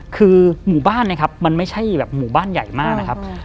คือหมู่บ้านนะครับมันไม่ใช่แบบหมู่บ้านใหญ่มากนะครับ